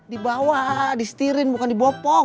dibawa distirin bukan dibopong